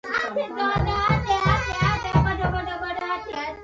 که تبه، ټوخۍ او ستړیا لرئ ډاکټر ته لاړ شئ!